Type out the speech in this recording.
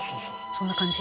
「そんな感じ？